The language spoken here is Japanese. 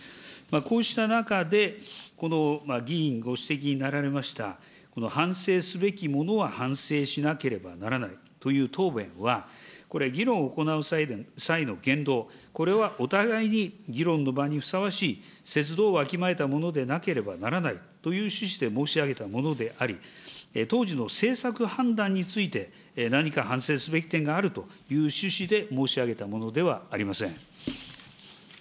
こうした中で、この議員ご指摘になられました、反省すべきものは反省しなければならないという答弁は、これ、議論を行う際の言動、これはお互いに議論の場にふさわしい、節度をわきまえたものでなければならないという趣旨で申し上げたものであり、当時の政策判断について、何か反省すべき点があるという趣旨で申し上げたものではありません。